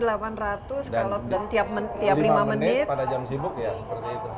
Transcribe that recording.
dan lima menit pada jam sibuk ya seperti itu